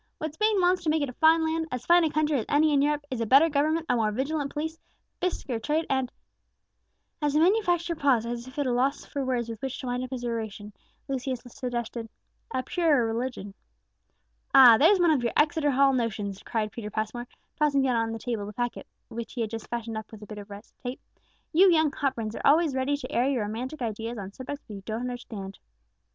What Spain wants to make it a fine land, as fine a country as any in Europe, is a better government, a more vigilant police, brisker trade, and " As the manufacturer paused, as if at a loss for words with which to wind up his oration, Lucius suggested "a purer religion." "Ah, there's one of your Exeter Hall notions," cried Peter Passmore, tossing down on the table the packet which he had just fastened up with a bit of red tape; "you young hot brains are always ready to air your romantic ideas on subjects which you don't understand."